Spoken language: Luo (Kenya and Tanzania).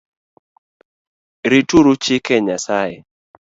Rituru chike Nyasaye